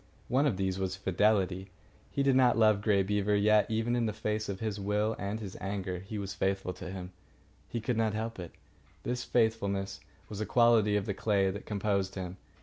One of these was fidelity. He did not love Grey Beaver, yet, even in the face of his will and his anger, he was faithful to him. He could not help it. This faithfulness was a quality of the clay that composed him.